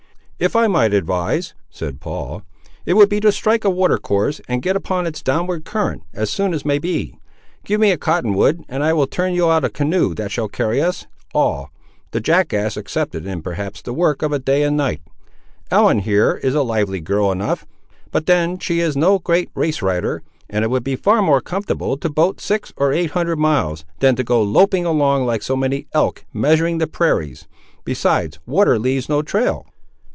"If I might advise," said Paul, "it would be to strike a water course, and get upon its downward current, as soon as may be. Give me a cotton wood, and I will turn you out a canoe that shall carry us all, the jackass excepted, in perhaps the work of a day and a night. Ellen, here, is a lively girl enough, but then she is no great race rider; and it would be far more comfortable to boat six or eight hundred miles, than to go loping along like so many elks measuring the prairies; besides, water leaves no trail."